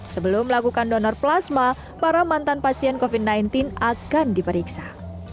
sebelum melakukan donor plasma para mantan pasien covid sembilan belas akan diperiksa